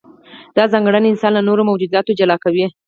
دا ځانګړنه انسان له نورو موجوداتو جلا کوي.